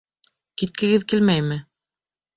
Киткегеҙ килмәйме?